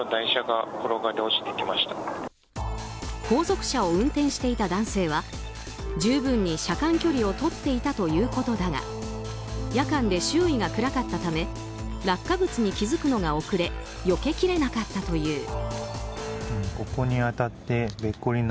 後続車を運転していた男性は十分に車間距離をとっていたということだが夜間で周囲が暗かったため落下物に気づくのが遅れよけきれなかったという。